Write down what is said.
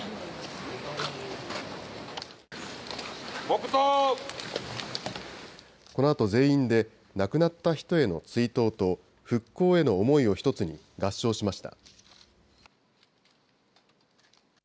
このあと全員で亡くなった人への追悼と復興への思いを１つに合唱しました。